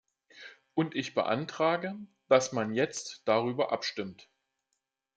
Und ich beantrage, dass man jetzt darüber abstimmt.